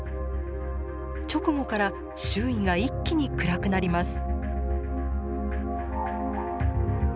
直後から周囲が一気に暗くなります。